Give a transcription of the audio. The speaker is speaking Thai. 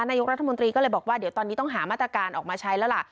นายกรัฐมนตรีก็เลยบอกว่าเดี๋ยวตอนนี้ต้องหามาตรการออกมาใช้แล้วล่ะ